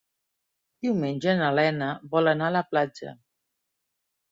Diumenge na Lena vol anar a la platja.